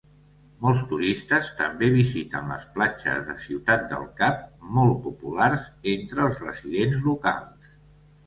Molts turistes també visiten les platges de Ciutat del Cap, molt populars entre els residents locals.